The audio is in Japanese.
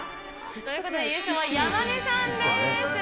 ということで優勝は山根さんやったぞー。